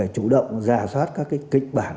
chủ động ra soát các kích bản